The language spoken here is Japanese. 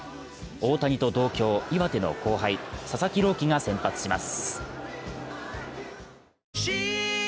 大谷と同郷、岩手の後輩佐々木朗希が先発します。